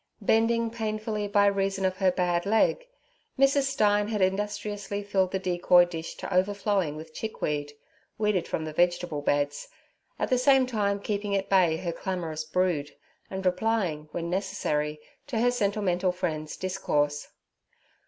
Bending painfully by reason of her bad leg, Mrs. Stein had industriously filled the decoy dish to overflowing with chickweed, weeded from the vegetable beds; at the same time keeping at bay her clamorous brood, and replying, when necessary, to her sentimental friend's discourse.